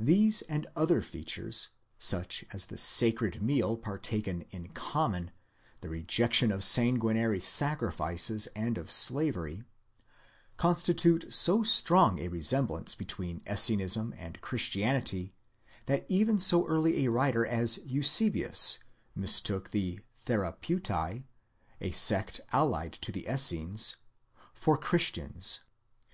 These and other features, such as the sacred meal par taken in common, the rejection of sanguinary sacrifices and of slavery, consti tute so strong a resemblance between Essenism and Christianity, that even so early a writer as Eusebius mistook the Therapeute, a sect allied to the Essenes, for Christians.